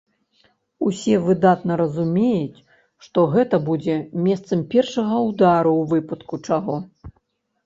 Усе выдатна разумеюць, што гэта будзе месцам першага ўдару ў выпадку чаго.